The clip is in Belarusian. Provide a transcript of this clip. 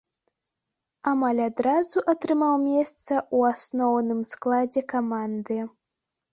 Амаль адразу атрымаў месца ў асноўным складзе каманды.